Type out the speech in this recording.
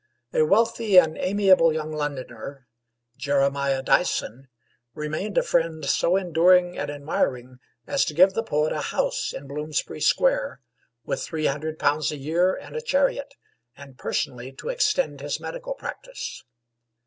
A wealthy and amiable young Londoner, Jeremiah Dyson, remained a friend so enduring and admiring as to give the poet a house in Bloomsbury Square, with £300 a year and a chariot, and personally to extend his medical practice.